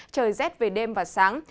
trời rét về đêm và sáng